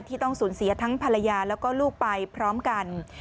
ต้องสูญเสียทั้งภรรยาแล้วก็ลูกไปพร้อมกัน